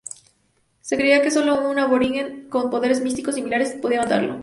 Se creía que solo un aborigen con poderes místicos similares podía matarlo.